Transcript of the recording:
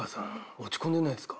落ち込んでないですか？